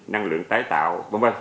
năng lượng tái tạo